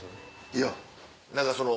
いや何かその。